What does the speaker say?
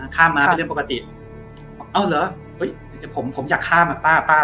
ข้ามมาเป็นเรื่องปกติเอาเหรอเฮ้ยผมผมอยากข้ามอ่ะป้าป้า